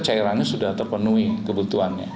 cairannya sudah terpenuhi kebutuhannya